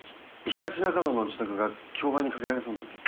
東中野の自宅が競売にかけられそうになって。